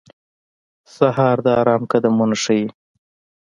سهار د آرام قدمونه ښووي.